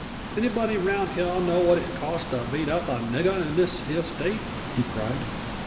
"Anybody round hyah knows what it costs to beat up a niggah in this hyah State?" he cried.